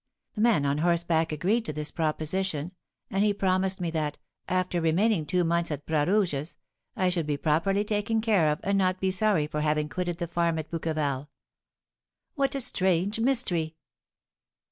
The man on horseback agreed to this proposition; and he promised me that, after remaining two months at Bras Rouge's, I should be properly taken care of, and not be sorry for having quitted the farm at Bouqueval." "What a strange mystery!"